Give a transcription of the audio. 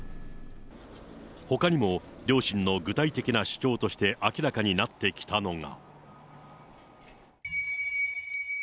ほかにも両親の具体的な主張として明らかになってきたのが。